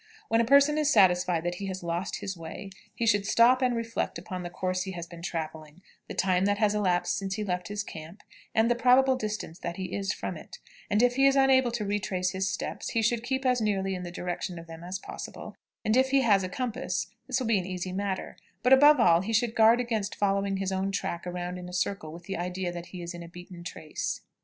When a person is satisfied that he has lost his way, he should stop and reflect upon the course he has been traveling, the time that has elapsed since he left his camp, and the probable distance that he is from it; and if he is unable to retrace his steps, he should keep as nearly in the direction of them as possible; and if he has a compass, this will be an easy matter; but, above all, he should guard against following his own track around in a circle with the idea that he is in a beaten trace.